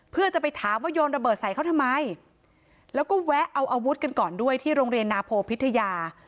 เพื่อจะไปถามว่าโยนระเบิดใส่เขาทำไมแล้วก็แวะเอาอาวุธกันก่อนด้วยที่โรงเรียนนาโพพิทยา